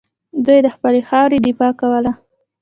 دوی د خپلې خاورې دفاع کوله